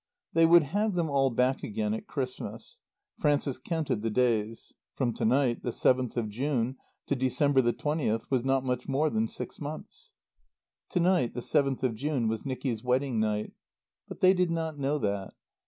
They would have them all back again at Christmas. Frances counted the days. From to night, the seventh of June, to December the twentieth was not much more than six months. To night, the seventh of June, was Nicky's wedding night. But they did not know that.